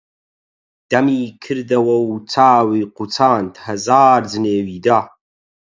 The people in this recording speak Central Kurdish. دەمی کردوە و چاوی قوچاند، هەزار جنێوی دا: